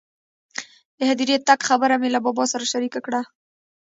د هدیرې تګ خبره مې له بابا سره شریکه کړه.